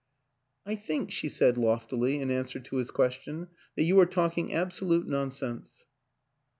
" I think," she said loftily, in answer to his question, " that you are talking absolute non sense."